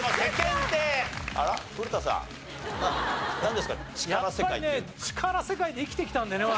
やっぱりね力世界で生きてきたんでね